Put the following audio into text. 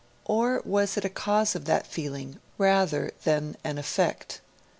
Or was it a cause of that feeling, rather than an effect?